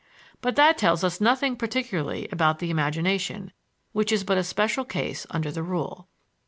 But that tells us nothing particularly about the imagination, which is but a special case under the rule.